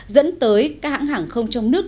dẫn tới các hãng hàng không trong nước